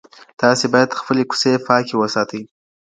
تاسي باید خپلي کوڅې پاکي وساتئ.